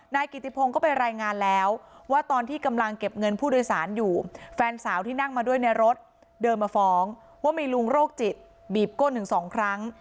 นายกิติพงศ์ก็ไปรายงานแล้วว่าตอนที่กำลังเก็บเงินผู้โดยสารอยู่แฟนสาวที่นั่งมาด้วยในรถเดินมาฟ้องว่ามีลุงโรคจิตบีบก้นถึงสองครั้ง